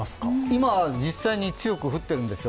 今、実際に強く降ってるんですよ。